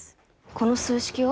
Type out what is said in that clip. この数式を？